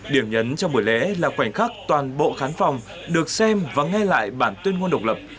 điểm nhấn trong buổi lễ là khoảnh khắc toàn bộ khán phòng được xem và nghe lại bản tuyên ngôn độc lập